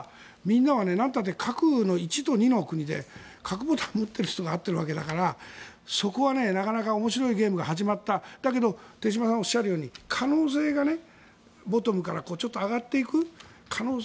ここをブラックボックスにしておけばなんといっても核の１と２の国で核のボタンを持っているわけだからそこはなかなか面白いゲームが始まっただけど手嶋さんがおっしゃるようにボトムからちょっと上がっていく可能性